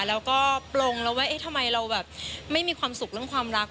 แล้วก็ปลงแล้วว่าเอ๊ะทำไมเราแบบไม่มีความสุขเรื่องความรัก